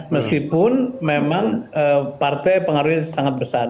meskipun memang partai pengaruhnya sangat besar